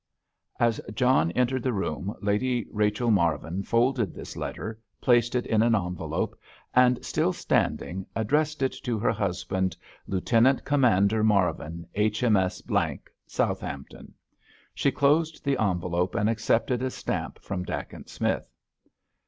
As John entered the room Lady Rachel Marvin folded this letter, placed it in an envelope, and, still standing, addressed it to her husband, "Lieutenant Commander Marvin, H.M.S. ——, Southampton." She closed the envelope and accepted a stamp from Dacent Smith.